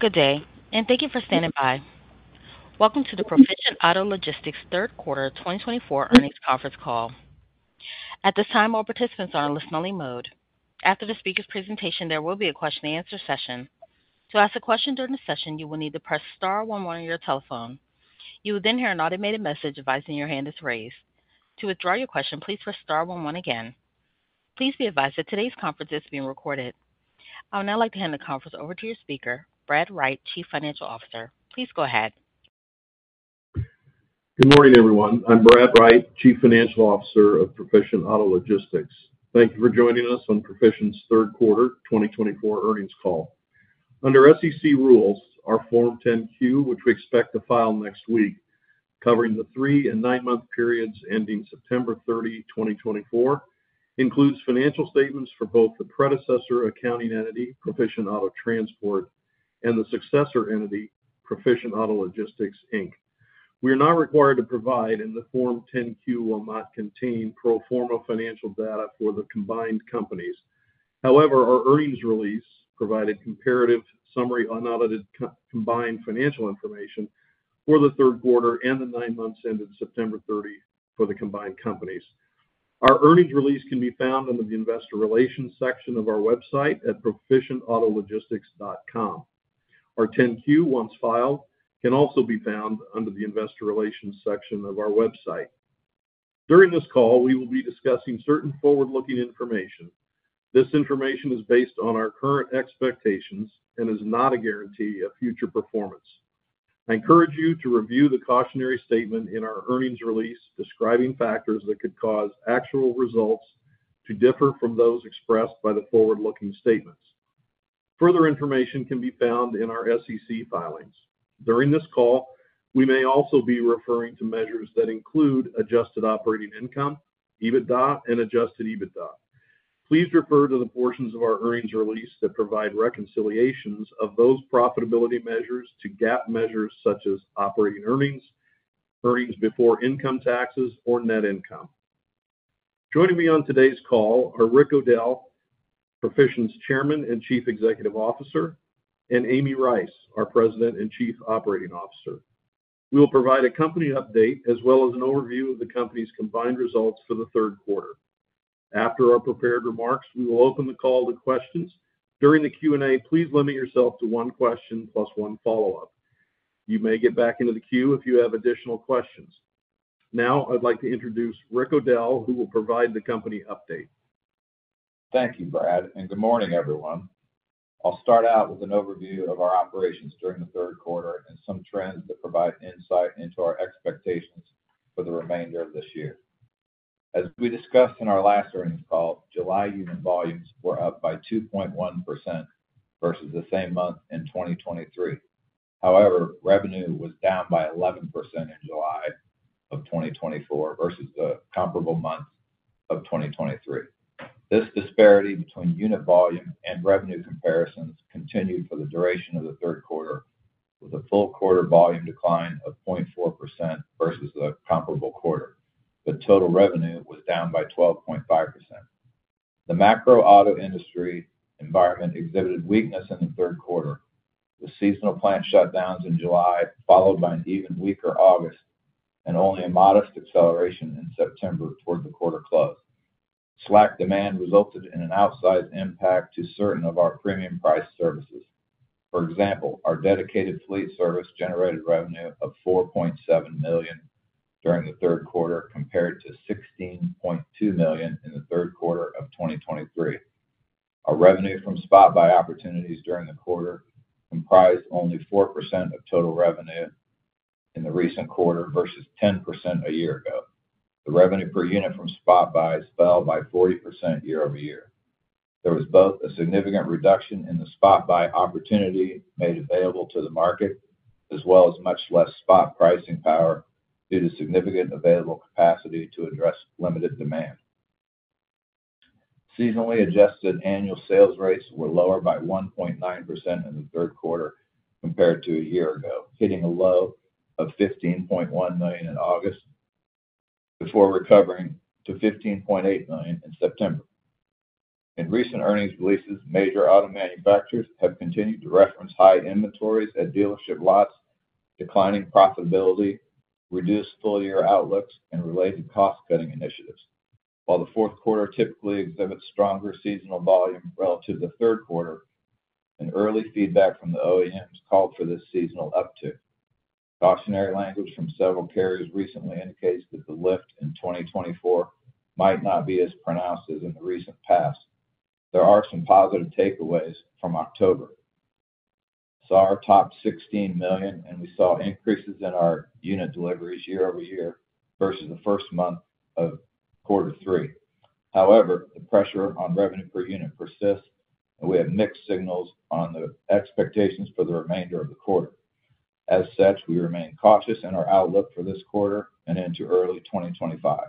Good day, and thank you for standing by. Welcome to the Proficient Auto Logistics third quarter 2024 earnings conference call. At this time, all participants are in listen-only mode. After the speaker's presentation, there will be a question-and-answer session. To ask a question during the session, you will need to press star one-one on your telephone. You will then hear an automated message advising your hand is raised. To withdraw your question, please press star one-one again. Please be advised that today's conference is being recorded. I would now like to hand the conference over to your speaker, Brad Wright, Chief Financial Officer. Please go ahead. Good morning, everyone. I'm Brad Wright, Chief Financial Officer of Proficient Auto Logistics. Thank you for joining us on Proficient's third quarter 2024 earnings call. Under SEC rules, our Form 10-Q, which we expect to file next week, covering the three and nine-month periods ending September 30, 2024, includes financial statements for both the predecessor accounting entity, Proficient Auto Transport, and the successor entity, Proficient Auto Logistics, Inc. We are not required to provide in the Form 10-Q, which will not contain pro forma financial data for the combined companies. However, our earnings release provided comparative summary unaudited combined financial information for the third quarter and the nine months ended September 30 for the combined companies. Our earnings release can be found under the investor relations section of our website at proficientautologistics.com. Our 10-Q once filed can also be found under the investor relations section of our website. During this call, we will be discussing certain forward-looking information. This information is based on our current expectations and is not a guarantee of future performance. I encourage you to review the cautionary statement in our earnings release describing factors that could cause actual results to differ from those expressed by the forward-looking statements. Further information can be found in our SEC filings. During this call, we may also be referring to measures that include adjusted operating income, EBITDA, and adjusted EBITDA. Please refer to the portions of our earnings release that provide reconciliations of those profitability measures to GAAP measures such as operating earnings, earnings before income taxes, or net income. Joining me on today's call are Rick O'Dell, Proficient's Chairman and Chief Executive Officer, and Amy Rice, our President and Chief Operating Officer. We will provide a company update as well as an overview of the company's combined results for the third quarter. After our prepared remarks, we will open the call to questions. During the Q&A, please limit yourself to one question plus one follow-up. You may get back into the queue if you have additional questions. Now, I'd like to introduce Rick O'Dell, who will provide the company update. Thank you, Brad, and good morning, everyone. I'll start out with an overview of our operations during the third quarter and some trends that provide insight into our expectations for the remainder of this year. As we discussed in our last earnings call, July unit volumes were up by 2.1% versus the same month in 2023. However, revenue was down by 11% in July of 2024 versus the comparable month of 2023. This disparity between unit volume and revenue comparisons continued for the duration of the third quarter, with a full quarter volume decline of 0.4% versus the comparable quarter. The total revenue was down by 12.5%. The macro auto industry environment exhibited weakness in the third quarter, with seasonal plant shutdowns in July followed by an even weaker August and only a modest acceleration in September toward the quarter close. Slack demand resulted in an outsized impact to certain of our premium price services. For example, our dedicated fleet service generated revenue of $4.7 million during the third quarter compared to $16.2 million in the third quarter of 2023. Our revenue from spot-buy opportunities during the quarter comprised only 4% of total revenue in the recent quarter versus 10% a year ago. The revenue per unit from spot buys fell by 40% year over year. There was both a significant reduction in the spot-buy opportunity made available to the market, as well as much less spot pricing power due to significant available capacity to address limited demand. Seasonally adjusted annual sales rates were lower by 1.9% in the third quarter compared to a year ago, hitting a low of $15.1 million in August before recovering to $15.8 million in September. In recent earnings releases, major auto manufacturers have continued to reference high inventories at dealership lots, declining profitability, reduced full-year outlooks, and related cost-cutting initiatives. While the fourth quarter typically exhibits stronger seasonal volume relative to the third quarter, early feedback from the OEMs called for this seasonal uptick. Cautionary language from several carriers recently indicates that the lift in 2024 might not be as pronounced as in the recent past. There are some positive takeaways from October. We saw our top $16 million, and we saw increases in our unit deliveries year over year versus the first month of quarter three. However, the pressure on revenue per unit persists, and we have mixed signals on the expectations for the remainder of the quarter. As such, we remain cautious in our outlook for this quarter and into early 2025.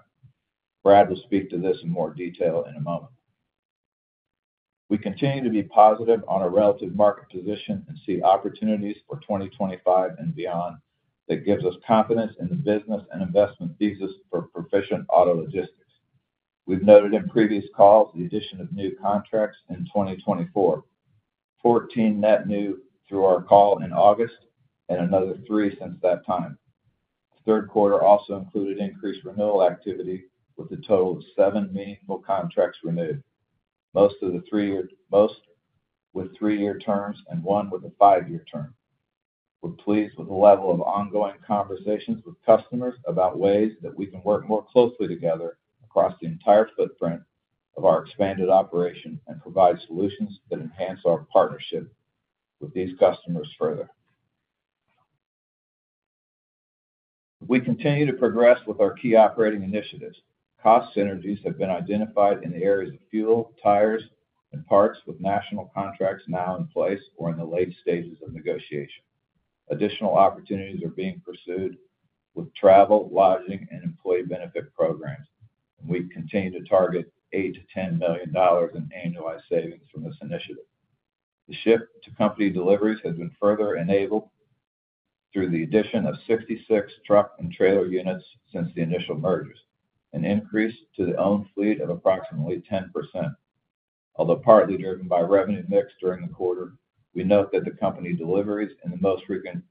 Brad will speak to this in more detail in a moment. We continue to be positive on our relative market position and see opportunities for 2025 and beyond that gives us confidence in the business and investment thesis for Proficient Auto Logistics. We've noted in previous calls the addition of new contracts in 2024, 14 net new through our call in August and another three since that time. The third quarter also included increased renewal activity with a total of seven meaningful contracts renewed, most with three-year terms and one with a five-year term. We're pleased with the level of ongoing conversations with customers about ways that we can work more closely together across the entire footprint of our expanded operation and provide solutions that enhance our partnership with these customers further. We continue to progress with our key operating initiatives. Cost synergies have been identified in the areas of fuel, tires, and parts with national contracts now in place or in the late stages of negotiation. Additional opportunities are being pursued with travel, lodging, and employee benefit programs, and we continue to target $8-$10 million in annualized savings from this initiative. The shift to company deliveries has been further enabled through the addition of 66 truck and trailer units since the initial mergers, an increase to the owned fleet of approximately 10%. Although partly driven by revenue mix during the quarter, we note that the company deliveries in the most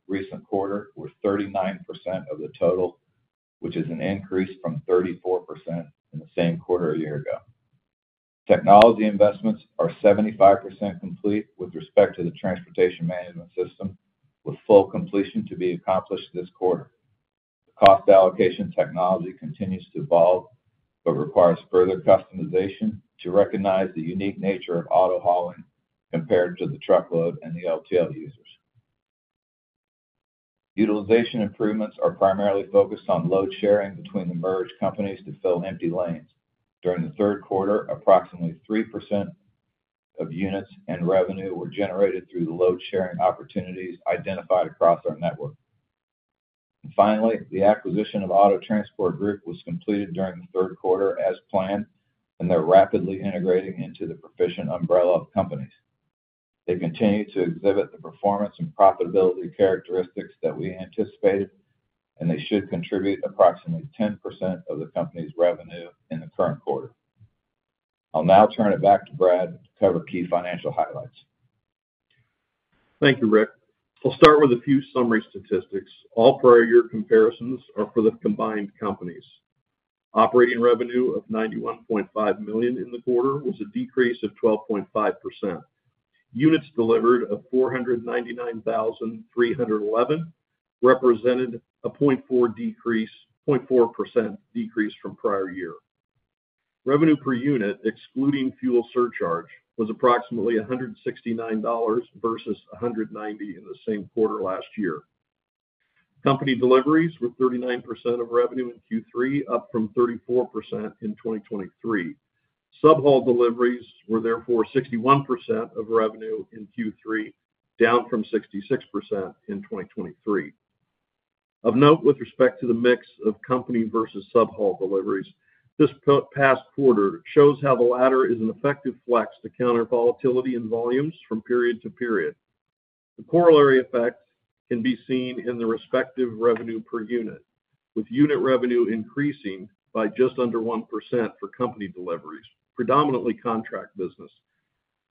recent quarter were 39% of the total, which is an increase from 34% in the same quarter a year ago. Technology investments are 75% complete with respect to the transportation management system, with full completion to be accomplished this quarter. Cost allocation technology continues to evolve but requires further customization to recognize the unique nature of auto hauling compared to the truckload and the LTL users. Utilization improvements are primarily focused on load sharing between the merged companies to fill empty lanes. During the third quarter, approximately 3% of units and revenue were generated through the load sharing opportunities identified across our network. Finally, the acquisition of Auto Transport Group was completed during the third quarter as planned, and they're rapidly integrating into the Proficient umbrella of companies. They continue to exhibit the performance and profitability characteristics that we anticipated, and they should contribute approximately 10% of the company's revenue in the current quarter. I'll now turn it back to Brad to cover key financial highlights. Thank you, Rick. I'll start with a few summary statistics. All prior year comparisons are for the combined companies. Operating revenue of $91.5 million in the quarter was a decrease of 12.5%. Units delivered of 499,311 represented a 0.4% decrease from prior year. Revenue per unit, excluding fuel surcharge, was approximately $169 versus $190 in the same quarter last year. Company deliveries were 39% of revenue in Q3, up from 34% in 2023. Sub-haul deliveries were therefore 61% of revenue in Q3, down from 66% in 2023. Of note, with respect to the mix of company versus sub-haul deliveries, this past quarter shows how the latter is an effective flex to counter volatility in volumes from period to period. The corollary effect can be seen in the respective revenue per unit, with unit revenue increasing by just under 1% for company deliveries, predominantly contract business,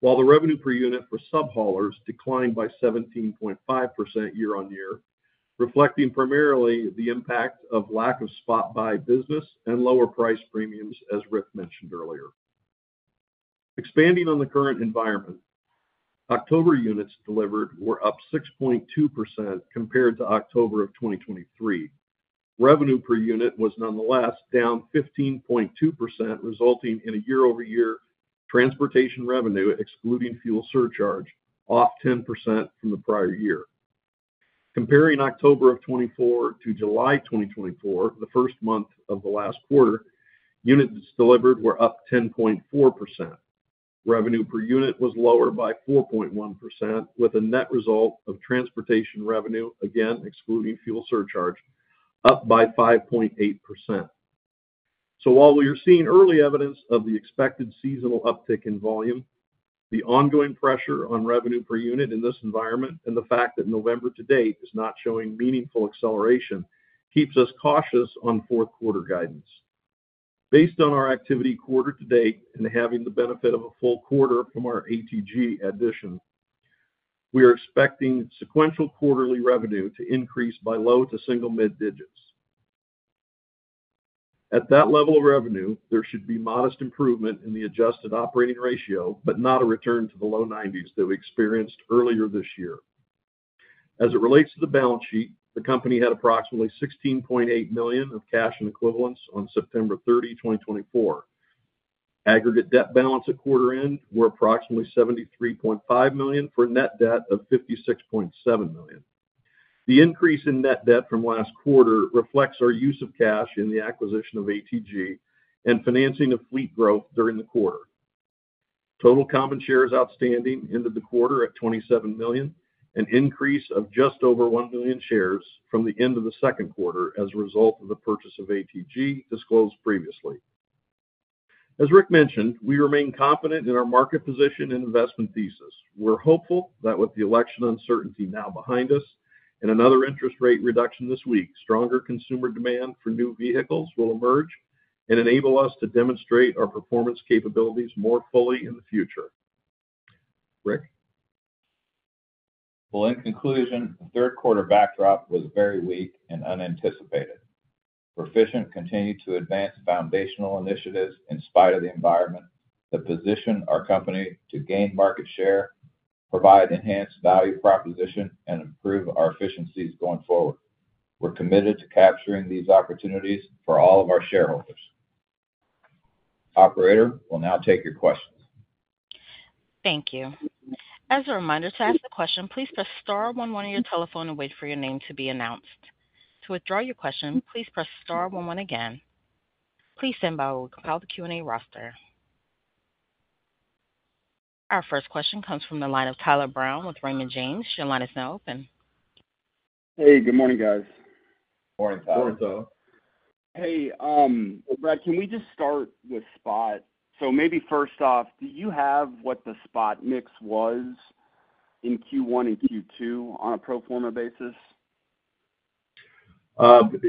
while the revenue per unit for sub-haulers declined by 17.5% year on year, reflecting primarily the impact of lack of spot-buy business and lower price premiums, as Rick mentioned earlier. Expanding on the current environment, October units delivered were up 6.2% compared to October of 2023. Revenue per unit was nonetheless down 15.2%, resulting in a year-over-year transportation revenue, excluding fuel surcharge, off 10% from the prior year. Comparing October of 2024 to July 2024, the first month of the last quarter, units delivered were up 10.4%. Revenue per unit was lower by 4.1%, with a net result of transportation revenue, again excluding fuel surcharge, up by 5.8%. So while we are seeing early evidence of the expected seasonal uptick in volume, the ongoing pressure on revenue per unit in this environment and the fact that November to date is not showing meaningful acceleration keeps us cautious on fourth quarter guidance. Based on our activity quarter to date and having the benefit of a full quarter from our ATG addition, we are expecting sequential quarterly revenue to increase by low-to-single mid digits. At that level of revenue, there should be modest improvement in the adjusted operating ratio, but not a return to the low 90s that we experienced earlier this year. As it relates to the balance sheet, the company had approximately $16.8 million of cash and equivalents on September 30, 2024. Aggregate debt balance at quarter end were approximately $73.5 million for a net debt of $56.7 million. The increase in net debt from last quarter reflects our use of cash in the acquisition of ATG and financing of fleet growth during the quarter. Total common shares outstanding ended the quarter at 27 million, an increase of just over one million shares from the end of the second quarter as a result of the purchase of ATG disclosed previously. As Rick mentioned, we remain confident in our market position and investment thesis. We're hopeful that with the election uncertainty now behind us and another interest rate reduction this week, stronger consumer demand for new vehicles will emerge and enable us to demonstrate our performance capabilities more fully in the future. Rick? Well, in conclusion, the third quarter backdrop was very weak and unanticipated. Proficient continued to advance foundational initiatives in spite of the environment that position our company to gain market share, provide enhanced value proposition, and improve our efficiencies going forward. We're committed to capturing these opportunities for all of our shareholders. Operator, we'll now take your questions. Thank you. As a reminder to ask the question, please press star 11 on your telephone and wait for your name to be announced. To withdraw your question, please press star 11 again. Please stand by while we compile the Q&A roster. Our first question comes from the line of Tyler Brown with Raymond James. Your line is now open. Hey, good morning, guys. Morning, Tyler. Morning, Tyler. Hey, Brad, can we just start with spot? So maybe first off, do you have what the spot mix was in Q1 and Q2 on a pro forma basis?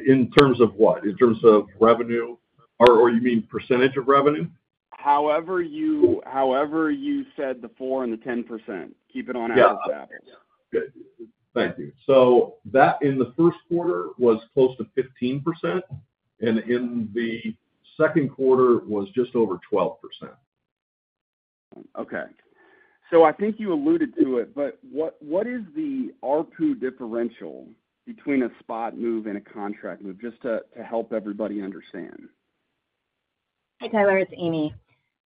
In terms of what? In terms of revenue or you mean percentage of revenue? However, you said the 4 and the 10%. Keep it on ASAP. Yeah. Good. Thank you. So that in the first quarter was close to 15%, and in the second quarter was just over 12%. Okay. So I think you alluded to it, but what is the ARPU differential between a spot move and a contract move just to help everybody understand? Hi, Tyler. It's Amy.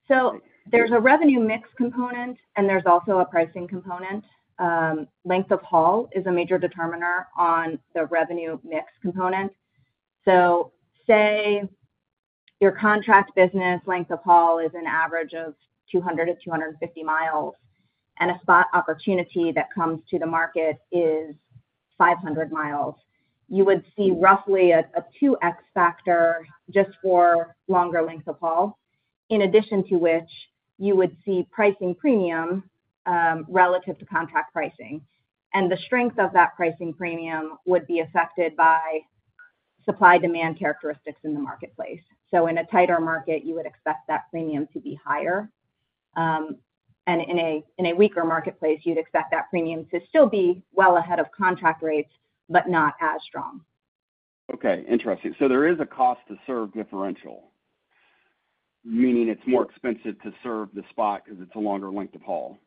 So there's a revenue mix component, and there's also a pricing component. Length of haul is a major determiner on the revenue mix component. So say your contract business length of haul is an average of 200-250 miles, and a spot opportunity that comes to the market is 500 miles. You would see roughly a 2X factor just for longer length of haul, in addition to which you would see pricing premium relative to contract pricing. And the strength of that pricing premium would be affected by supply-demand characteristics in the marketplace. So in a tighter market, you would expect that premium to be higher. And in a weaker marketplace, you'd expect that premium to still be well ahead of contract rates, but not as strong. Okay. Interesting. So there is a cost-to-serve differential, meaning it's more expensive to serve the spot because it's a longer length of haul.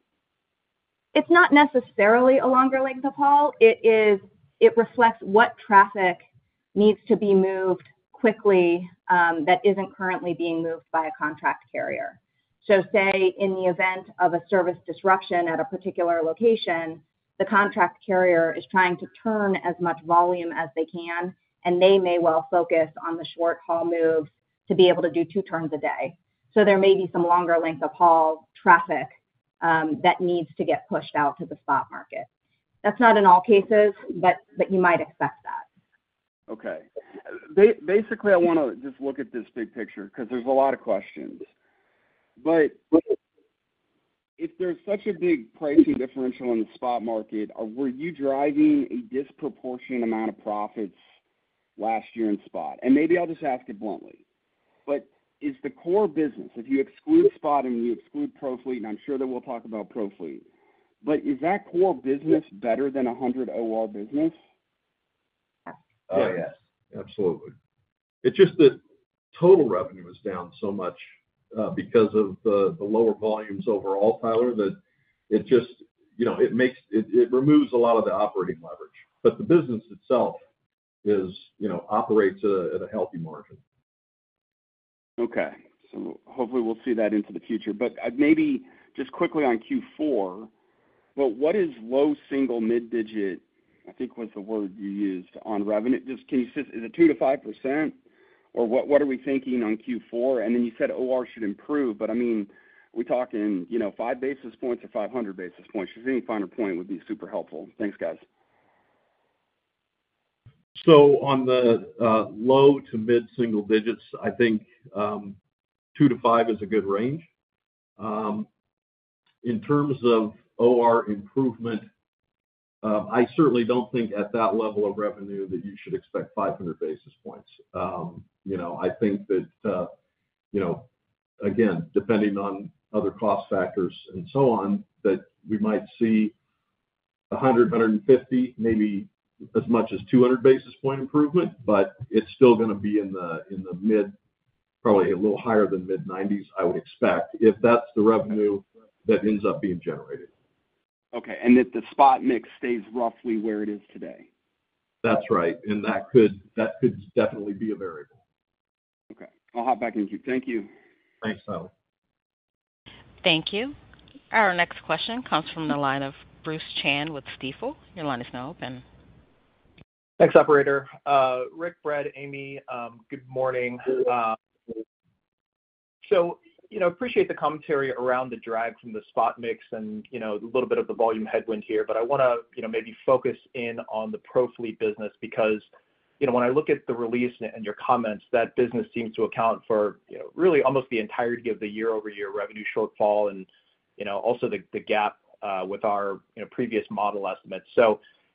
It's not necessarily a longer length of haul. It reflects what traffic needs to be moved quickly that isn't currently being moved by a contract carrier. So say in the event of a service disruption at a particular location, the contract carrier is trying to turn as much volume as they can, and they may well focus on the short-haul moves to be able to do two turns a day. So there may be some longer length of haul traffic that needs to get pushed out to the spot market. That's not in all cases, but you might expect that. Okay. Basically, I want to just look at this big picture because there's a lot of questions. But if there's such a big pricing differential in the spot market, were you driving a disproportionate amount of profits last year in spot? And maybe I'll just ask it bluntly. But is the core business, if you exclude spot and you exclude ProFleet, and I'm sure that we'll talk about ProFleet, but is that core business better than 100 OR business? Oh, yes. Absolutely. It's just that total revenue is down so much because of the lower volumes overall, Tyler, that it removes a lot of the operating leverage. But the business itself operates at a healthy margin. Okay. So hopefully we'll see that into the future. But maybe just quickly on Q4, what is low single mid-digit, I think was the word you used, on revenue? Is it 2%-5%, or what are we thinking on Q4? And then you said OR should improve, but I mean, are we talking 5 basis points or 500 basis points? Just any finer point would be super helpful. Thanks, guys. So on the low to mid single digits, I think 2 to 5 is a good range. In terms of OR improvement, I certainly don't think at that level of revenue that you should expect 500 basis points. I think that, again, depending on other cost factors and so on, that we might see 100, 150, maybe as much as 200 basis point improvement, but it's still going to be in the mid, probably a little higher than mid 90s, I would expect, if that's the revenue that ends up being generated. Okay. And that the spot mix stays roughly where it is today. That's right. And that could definitely be a variable. Okay. I'll hop back in queue. Thank you. Thanks, Tyler. Thank you. Our next question comes from the line of Bruce Chan with Stifel. Your line is now open. Thanks, Operator. Rick, Brad, Amy, good morning. So I appreciate the commentary around the drag from the spot mix and a little bit of the volume headwind here, but I want to maybe focus in on the ProFleet business because when I look at the release and your comments, that business seems to account for really almost the entirety of the year-over-year revenue shortfall and also the gap with our previous model estimates.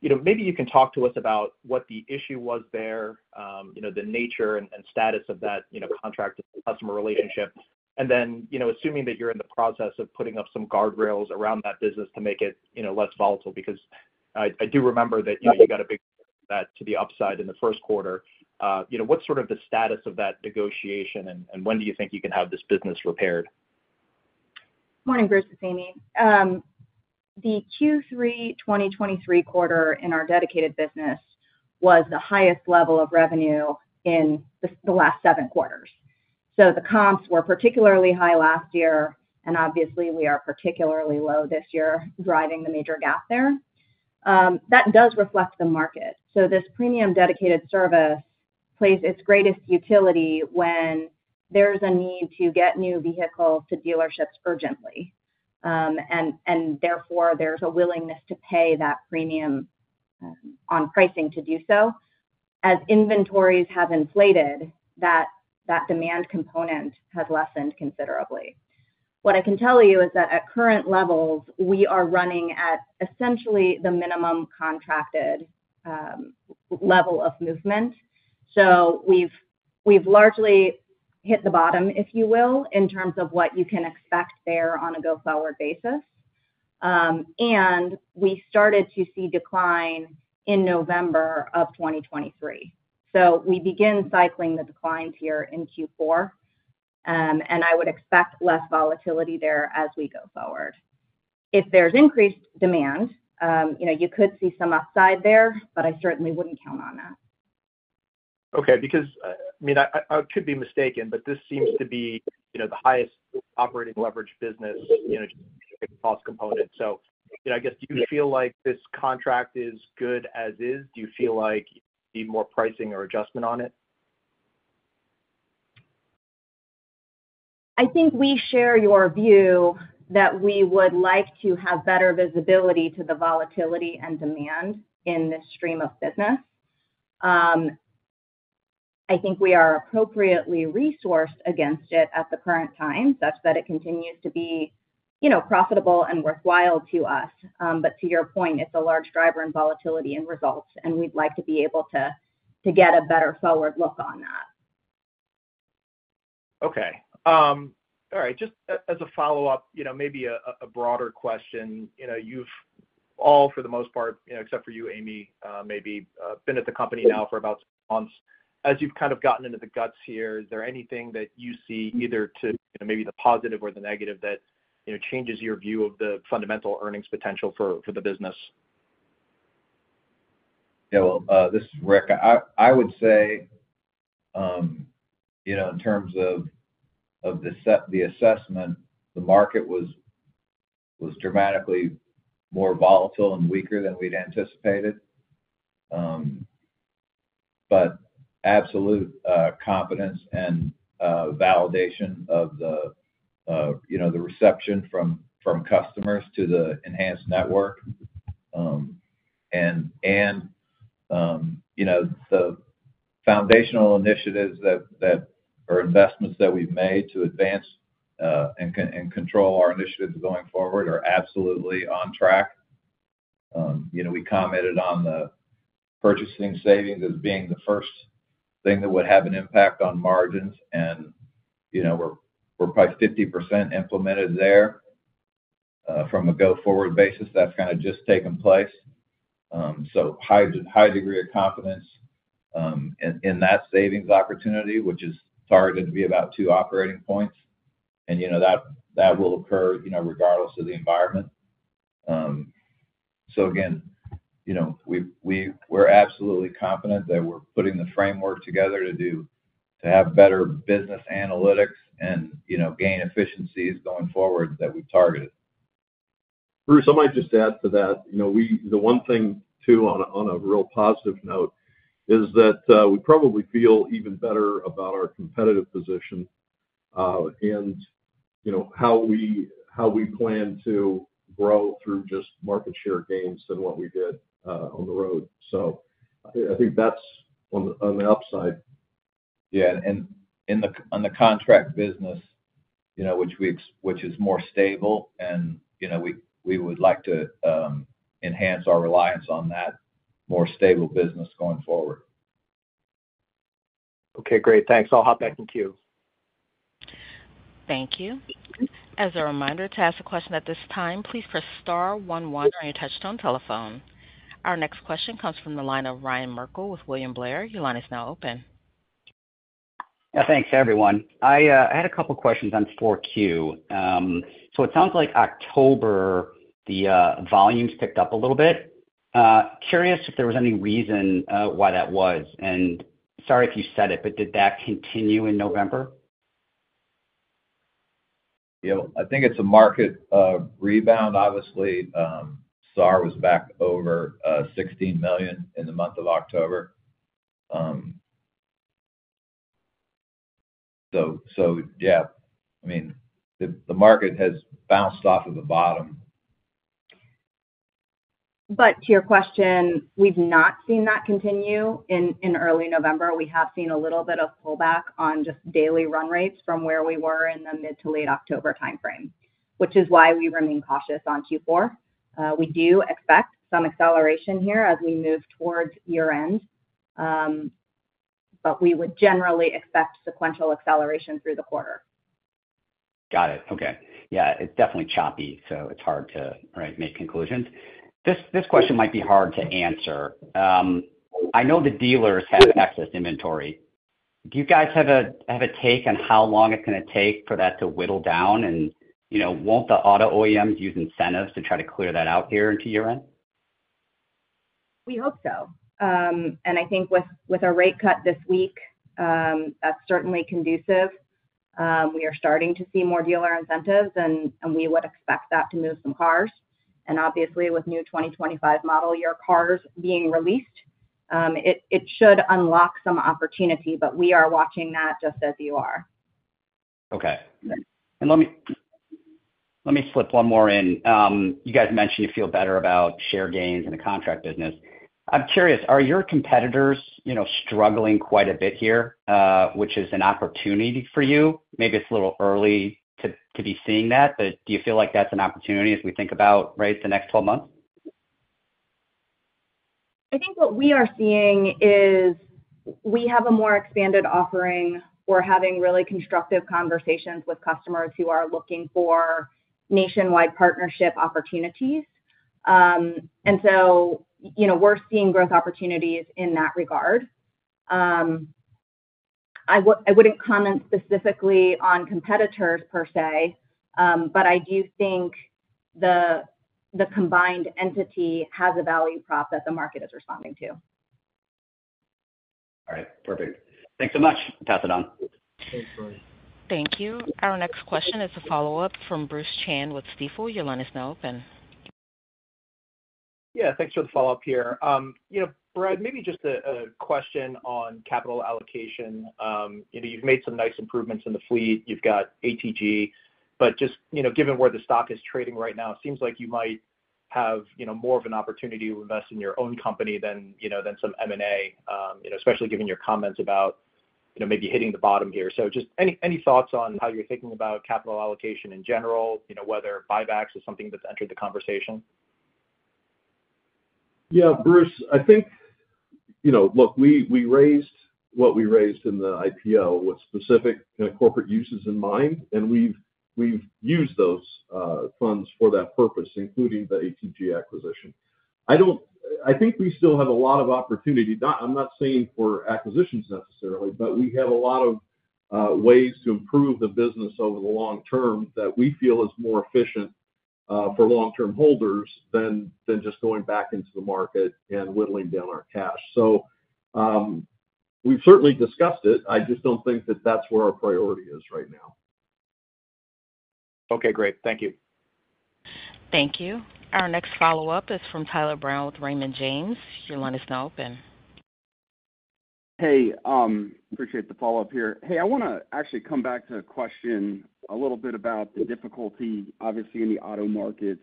So maybe you can talk to us about what the issue was there, the nature and status of that contract customer relationship, and then assuming that you're in the process of putting up some guardrails around that business to make it less volatile because I do remember that you got a big hit to the upside in the first quarter. What's sort of the status of that negotiation, and when do you think you can have this business repaired? Morning, Bruce and Amy. The Q3 2023 quarter in our dedicated business was the highest level of revenue in the last seven quarters, so the comps were particularly high last year, and obviously, we are particularly low this year driving the major gap there. That does reflect the market, so this premium dedicated service plays its greatest utility when there's a need to get new vehicles to dealerships urgently, and therefore, there's a willingness to pay that premium on pricing to do so. As inventories have inflated, that demand component has lessened considerably. What I can tell you is that at current levels, we are running at essentially the minimum contracted level of movement, so we've largely hit the bottom, if you will, in terms of what you can expect there on a go-forward basis, and we started to see decline in November of 2023. So we begin cycling the declines here in Q4, and I would expect less volatility there as we go forward. If there's increased demand, you could see some upside there, but I certainly wouldn't count on that. Okay. Because I mean, I could be mistaken, but this seems to be the highest operating leverage business cost component. So I guess, do you feel like this contract is good as is? Do you feel like you need more pricing or adjustment on it? I think we share your view that we would like to have better visibility to the volatility and demand in this stream of business. I think we are appropriately resourced against it at the current time, such that it continues to be profitable and worthwhile to us. But to your point, it's a large driver in volatility and results, and we'd like to be able to get a better forward look on that. Okay. All right. Just as a follow-up, maybe a broader question. You've all, for the most part, except for you, Amy, maybe been at the company now for about six months. As you've kind of gotten into the guts here, is there anything that you see either to maybe the positive or the negative that changes your view of the fundamental earnings potential for the business? Yeah. Well, this is Rick. I would say in terms of the assessment, the market was dramatically more volatile and weaker than we'd anticipated. But absolute confidence and validation of the reception from customers to the enhanced network and the foundational initiatives or investments that we've made to advance and control our initiatives going forward are absolutely on track. We commented on the purchasing savings as being the first thing that would have an impact on margins, and we're probably 50% implemented there from a go-forward basis. That's kind of just taken place. So high degree of confidence in that savings opportunity, which is targeted to be about two operating points, and that will occur regardless of the environment. So again, we're absolutely confident that we're putting the framework together to have better business analytics and gain efficiencies going forward that we've targeted. Bruce, I might just add to that. The one thing, too, on a real positive note is that we probably feel even better about our competitive position and how we plan to grow through just market share gains than what we did on the road. So I think that's on the upside. Yeah. And on the contract business, which is more stable, and we would like to enhance our reliance on that more stable business going forward. Okay. Great. Thanks. I'll hop back in Q. Thank you. As a reminder to ask a question at this time, please press star 11 or your touch-tone telephone. Our next question comes from the line of Ryan Merkel with William Blair. Your line is now open. Thanks, everyone. I had a couple of questions on 4Q. So it sounds like October, the volumes picked up a little bit. Curious if there was any reason why that was. And sorry if you said it, but did that continue in November? Yeah. I think it's a market rebound. Obviously, SAAR was back over 16 million in the month of October. So yeah, I mean, the market has bounced off of the bottom. But to your question, we've not seen that continue in early November. We have seen a little bit of pullback on just daily run rates from where we were in the mid to late October timeframe, which is why we remain cautious on Q4. We do expect some acceleration here as we move towards year-end, but we would generally expect sequential acceleration through the quarter. Got it. Okay. Yeah. It's definitely choppy, so it's hard to make conclusions. This question might be hard to answer. I know the dealers have excess inventory. Do you guys have a take on how long it's going to take for that to whittle down? And won't the auto OEMs use incentives to try to clear that out here into year-end? We hope so. And I think with our rate cut this week, that's certainly conducive. We are starting to see more dealer incentives, and we would expect that to move some cars. And obviously, with new 2025 model year cars being released, it should unlock some opportunity, but we are watching that just as you are. Okay. And let me slip one more in. You guys mentioned you feel better about share gains in the contract business. I'm curious, are your competitors struggling quite a bit here, which is an opportunity for you? Maybe it's a little early to be seeing that, but do you feel like that's an opportunity as we think about, right, the next 12 months? I think what we are seeing is we have a more expanded offering. We're having really constructive conversations with customers who are looking for nationwide partnership opportunities. And so we're seeing growth opportunities in that regard. I wouldn't comment specifically on competitors per se, but I do think the combined entity has a value prop that the market is responding to. All right. Perfect. Thanks so much. Pass it on. Thanks, Brian. Thank you. Our next question is a follow-up from Bruce Chan with Stifel. Your line is now open. Yeah. Thanks for the follow-up here. Brad, maybe just a question on capital allocation. You've made some nice improvements in the fleet. You've got ATG. But just given where the stock is trading right now, it seems like you might have more of an opportunity to invest in your own company than some M&A, especially given your comments about maybe hitting the bottom here. So just any thoughts on how you're thinking about capital allocation in general, whether buybacks is something that's entered the conversation? Yeah. Bruce, I think, look, we raised what we raised in the IPO with specific corporate uses in mind, and we've used those funds for that purpose, including the ATG acquisition. I think we still have a lot of opportunity. I'm not saying for acquisitions necessarily, but we have a lot of ways to improve the business over the long-term that we feel is more efficient for long-term holders than just going back into the market and whittling down our cash. So we've certainly discussed it. I just don't think that that's where our priority is right now. Okay. Great. Thank you. Thank you. Our next follow-up is from Tyler Brown with Raymond James. Your line is now open. Hey. Appreciate the follow-up here. Hey, I want to actually come back to a question a little bit about the difficulty, obviously, in the auto markets.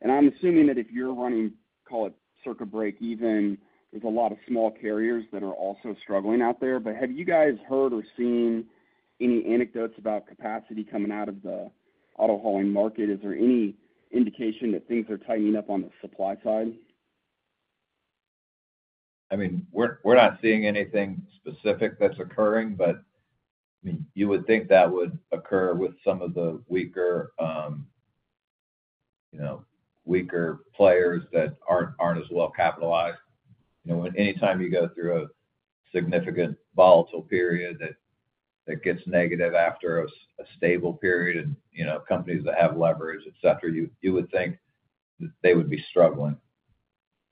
And I'm assuming that if you're running, call it circa break-even, there's a lot of small carriers that are also struggling out there. But have you guys heard or seen any anecdotes about capacity coming out of the auto hauling market? Is there any indication that things are tightening up on the supply side? I mean, we're not seeing anything specific that's occurring, but you would think that would occur with some of the weaker players that aren't as well capitalized. Anytime you go through a significant volatile period that gets negative after a stable period and companies that have leverage, etc., you would think that they would be struggling.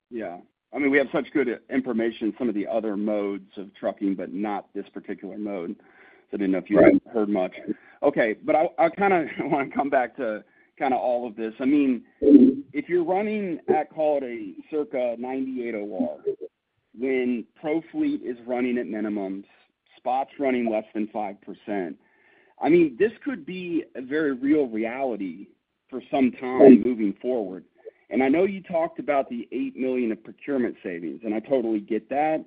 Yeah. I mean, we have such good information, some of the other modes of trucking, but not this particular mode. So I didn't know if you heard much. Okay. But I kind of want to come back to kind of all of this. I mean, if you're running, call it a circa 98 OR, when ProFleet is running at minimums, spots running less than 5%, I mean, this could be a very real reality for some time moving forward. And I know you talked about the $8 million of procurement savings, and I totally get that.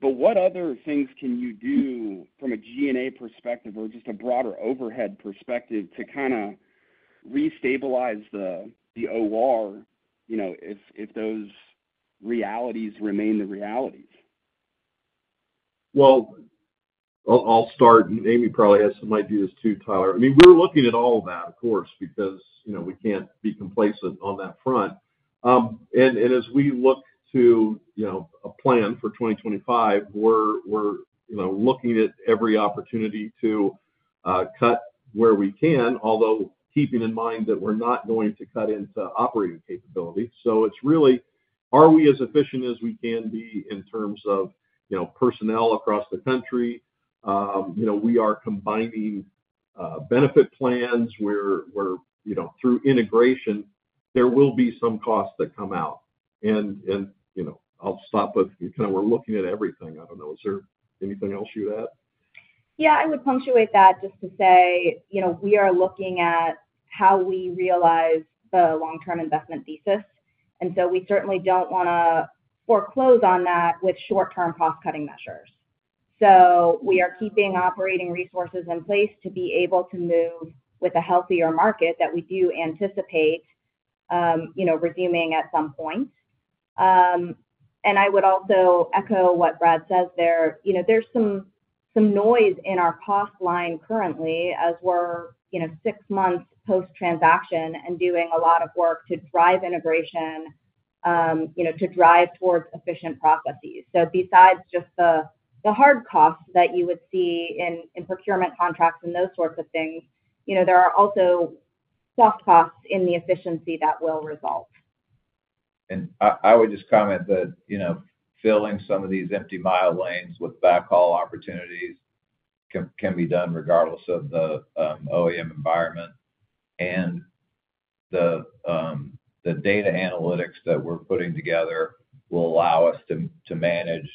But what other things can you do from a G&A perspective or just a broader overhead perspective to kind of re-stabilize the OR if those realities remain the realities? Well, I'll start, and Amy probably has some ideas too, Tyler. I mean, we're looking at all of that, of course, because we can't be complacent on that front. And as we look to a plan for 2025, we're looking at every opportunity to cut where we can, although keeping in mind that we're not going to cut into operating capability. So it's really, are we as efficient as we can be in terms of personnel across the country? We are combining benefit plans where, through integration, there will be some costs that come out. And I'll stop with kind of we're looking at everything. I don't know. Is there anything else you would add? Yeah. I would punctuate that just to say we are looking at how we realize the long-term investment thesis. And so we certainly don't want to foreclose on that with short-term cost-cutting measures. So we are keeping operating resources in place to be able to move with a healthier market that we do anticipate resuming at some point. And I would also echo what Brad says there. There's some noise in our cost line currently as we're six months post-transaction and doing a lot of work to drive integration, to drive towards efficient processes. So besides just the hard costs that you would see in procurement contracts and those sorts of things, there are also soft costs in the efficiency that will result. And I would just comment that filling some of these empty mile lanes with backhaul opportunities can be done regardless of the OEM environment. And the data analytics that we're putting together will allow us to manage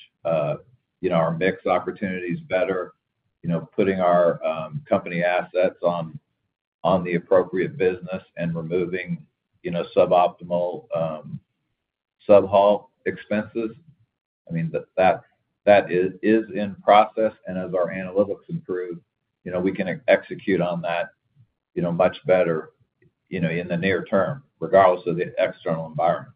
our mix opportunities better, putting our company assets on the appropriate business and removing suboptimal sub-haul expenses. I mean, that is in process. And as our analytics improve, we can execute on that much better in the near term, regardless of the external environment.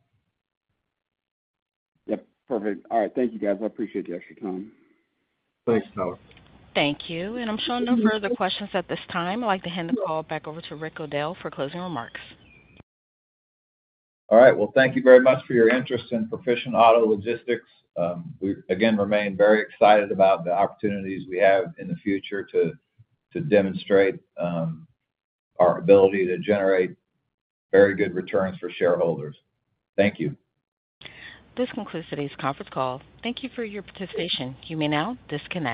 Yep. Perfect. All right. Thank you, guys. I appreciate the extra time. Thanks, Tyler. Thank you. And I'm showing no further questions at this time. I'd like to hand the call back over to Rick O'Dell for closing remarks. All right. Well, thank you very much for your interest in Proficient Auto Logistics. We, again, remain very excited about the opportunities we have in the future to demonstrate our ability to generate very good returns for shareholders. Thank you. This concludes today's conference call. Thank you for your participation. You may now disconnect.